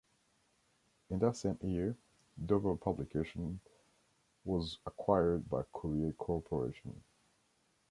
In that same year, Dover Publications was acquired by Courier Corporation.